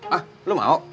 hah lo mau